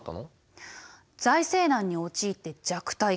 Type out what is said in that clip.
財政難に陥って弱体化。